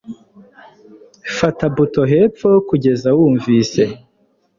Fata buto hepfo kugeza wunvise